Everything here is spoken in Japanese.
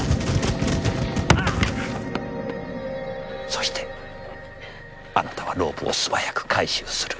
そしてあなたはロープを素早く回収する。